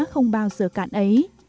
không bao giờ cạn ấy